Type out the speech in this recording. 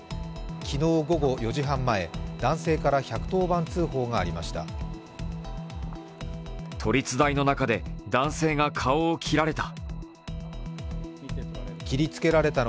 昨日午後４時半前、男性から１１０番通報がありました。